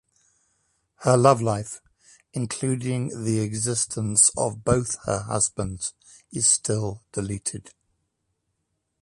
Her love life, including the existence of both her husbands is still deleted.